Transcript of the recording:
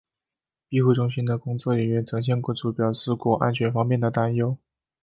庇护中心的工作人员曾向雇主表示过安全方面的担忧。